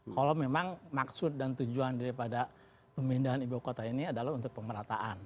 kalau memang maksud dan tujuan daripada pemindahan ibu kota ini adalah untuk pemerataan